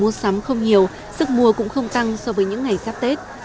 nhu cầu mua sắm không nhiều sức mua cũng không tăng so với những ngày sắp tết